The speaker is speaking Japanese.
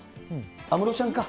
安室ちゃんか。